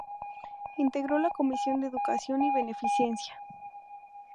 Integró la Comisión de Educación y Beneficencia.